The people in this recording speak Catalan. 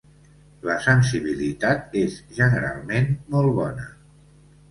La sensibilitat és generalment molt bona.